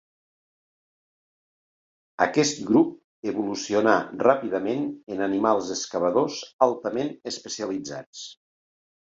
Aquest grup evolucionà ràpidament en animals excavadors altament especialitzats.